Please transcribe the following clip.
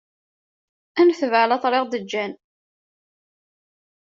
Ad netbeɛ lateṛ i ɣ-d-ğğan.